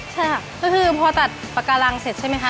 ก็คือพอตัดปาการังเสร็จใช่ไหมคะ